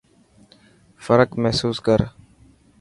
فرق محسوس ڪر.